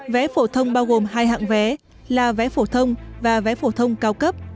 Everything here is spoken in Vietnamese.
vé phổ thông bao gồm hai hạng vé là vé phổ thông và vé phổ thông cao cấp